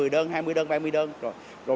một mươi đơn hai mươi đơn ba mươi đơn